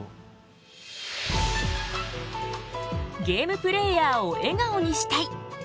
ゲームプレーヤーを笑顔にしたい！